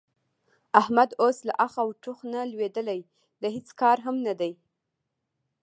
احمد اوس له اخ او ټوخ نه لوېدلی د هېڅ کار هم نه دی.